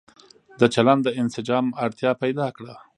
د چلن د انسجام اړتيا پيدا کړه